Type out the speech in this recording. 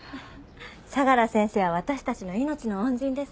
相良先生は私たちの命の恩人です。